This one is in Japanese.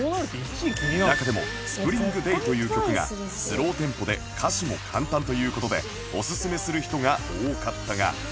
中でも『ＳｐｒｉｎｇＤａｙ』という曲がスローテンポで歌詞も簡単という事でおすすめする人が多かったが